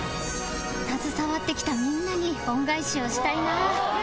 携わってきたみんなに恩返しをしたいな。